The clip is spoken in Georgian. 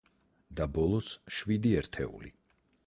და ბოლოს, შვიდი ერთეული.